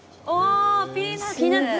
ピーナツ